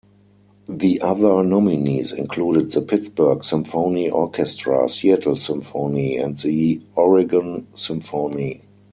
The other nominees included the Pittsburgh Symphony Orchestra, Seattle Symphony and The Oregon Symphony.